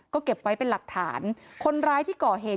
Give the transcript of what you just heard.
ก็เก็บไว้เป็นหลักฐานคนร้ายที่ก่อเหตุ